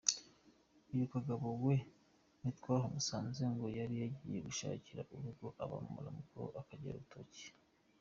Uyu Kagabo we ntitwahamusanze, ngo yari yagiye gushakira urugo amaramuko akorera urutoki.